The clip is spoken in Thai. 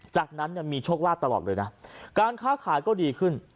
จากนั้นมีโชควาดตลอดเลยนะการข้าวขายก็ดีขึ้น